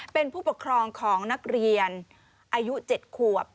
เป็นผู้ปกครองของนักเรียนอายุ๗ขวบ